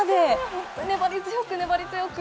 本当に粘り強く、粘り強く。